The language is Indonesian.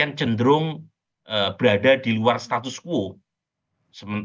yang cenderung berada di luar status quo